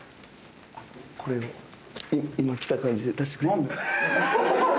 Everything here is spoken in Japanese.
これを今来た感じで出してくれ。